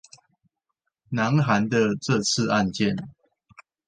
南韓的這次案件